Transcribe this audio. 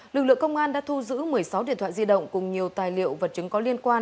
lực lượng công an đã thu giữ một mươi sáu điện thoại di động cùng nhiều tài liệu vật chứng có liên quan